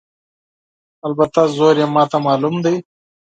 البته زور یې ماته معلوم دی.